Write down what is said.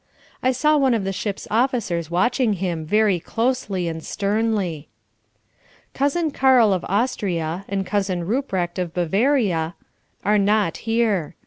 I saw one of the ship's officers watching him, very closely and sternly. Cousin Karl of Austria, and Cousin Ruprecht of Bavaria, are not here.